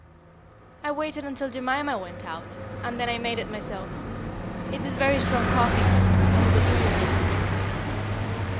"I waited until Jemima went out, and then I made it myself. It is very strong coffee, Thorold, and it will do your head good."